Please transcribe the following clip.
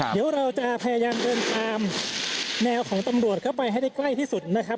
เดี๋ยวเราจะพยายามเดินตามแนวของตำรวจเข้าไปให้ได้ใกล้ที่สุดนะครับ